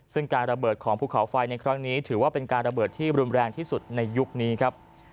ซึ่งการระเบิดของภูเขาไฟในครั้งนี้ถือว่าเป็นการระเบิดที่รุนแรงที่สุดในยุคนี้ครับ